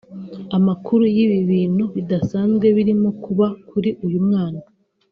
Amakuru y’ibi bintu bidasanzwe birimo kuba kuri uyu mwana